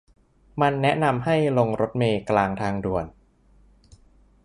มันแนะนำให้ลงรถเมล์กลางทางด่วน